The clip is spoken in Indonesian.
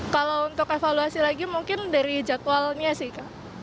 kalau untuk evaluasi lagi mungkin dari jadwalnya sih kak